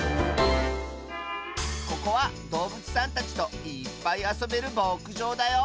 ここはどうぶつさんたちといっぱいあそべるぼくじょうだよ。